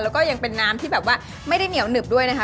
แล้วก็ยังเป็นน้ำที่แบบว่าไม่ได้เหนียวหนึบด้วยนะคะ